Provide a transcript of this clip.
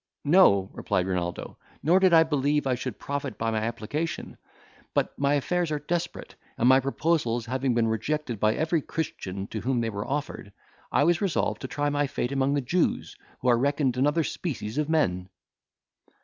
"No," replied Renaldo, "nor did I believe I should profit by my application; but my affairs are desperate; and my proposals having been rejected by every Christian to whom they were offered, I was resolved to try my fate among the Jews, who are reckoned another species of men."